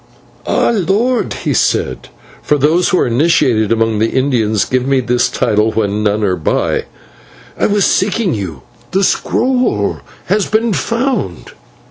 "Ah! lord," he said for those who are initiated among the Indians give me this title when none are by "I was seeking you. The scroll has been found."